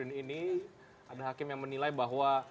pada saat ini syafruddin ini ada hakim yang menilai bahwa